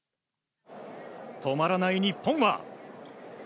止まらない日本は。